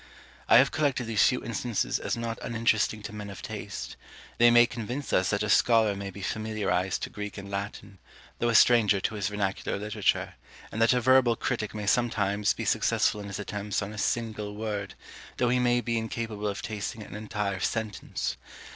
I have collected these few instances as not uninteresting to men of taste; they may convince us that a scholar may be familiarized to Greek and Latin, though a stranger to his vernacular literature; and that a verbal critic may sometimes be successful in his attempts on a single word, though he may be incapable of tasting an entire sentence.